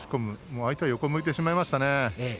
相手は横を向いてしまいましたね。